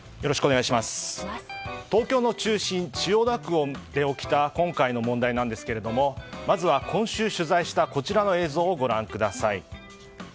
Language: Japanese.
東京の中心、千代田区で起きた今回の問題なんですがまずは今週取材したこちらの映像をご覧ください。